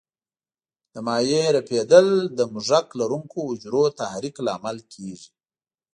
د مایع رپېدل د مژک لرونکو حجرو تحریک لامل کېږي.